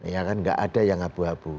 ya kan nggak ada yang abu abu